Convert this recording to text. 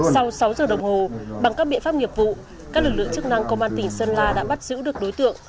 sau sáu giờ đồng hồ bằng các biện pháp nghiệp vụ các lực lượng chức năng công an tỉnh sơn la đã bắt giữ được đối tượng